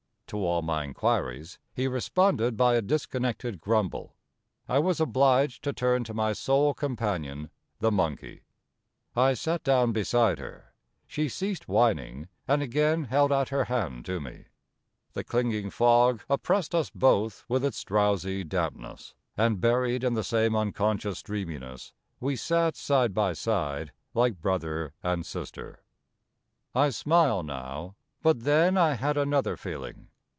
To all my inquiries he responded by a dis connected grumble. I was obliged to turn to my sole companion, the monkey. I sat down beside her ; she ceased whining, and again held out her hand to me. The clinging fog oppressed us both with its drowsy dampness ; and buried in the same un 318 POEMS IN PROSE conscious dreaminess, we sat side by side like brother and sister. I smile now ... but then I had another feeling.